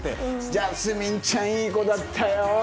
ジャスミンちゃんいい子だったよ！